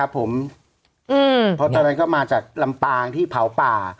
เพราะตอนนั้นก็มาจากลำปางที่เผาป่า